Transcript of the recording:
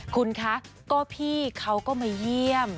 คุณคะก็พี่เขาก็มาเยี่ยม